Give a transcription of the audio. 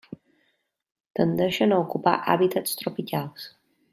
Tendeixen a ocupar hàbitats tropicals.